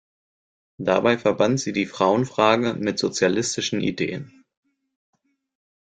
Dabei verband sie die Frauenfrage mit sozialistischen Ideen.